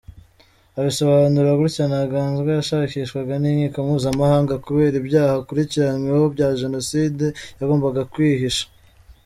Abisobanura gutya; “Ntaganzwa yashakishwaga n’inkiko mpuzamahanga kubera ibyaha akurikiranyweho bya Jenoside yagombaga kwihisha.